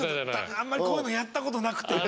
あんまりこういうのやったことなくて。